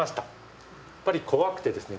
やっぱり怖くてですね